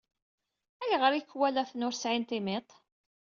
Ayɣer ikwalaten ur sɛin timiḍt?